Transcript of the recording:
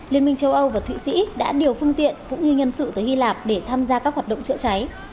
liên minh châu âu và thụy sĩ đã điều phương tiện cũng như nhân sự tới hy lạp để tham gia các hoạt động chữa cháy